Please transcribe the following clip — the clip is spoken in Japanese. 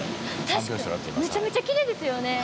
確かにめちゃめちゃきれいですよね。